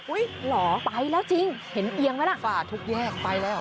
เหรอไปแล้วจริงเห็นเอียงไหมล่ะฝ่าทุกแยกไปแล้ว